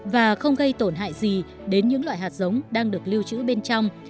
và không gây tổn hại gì đến những loại hạt giống đang được lưu trữ bên trong